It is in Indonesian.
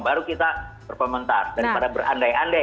baru kita perform mentah daripada berandai andai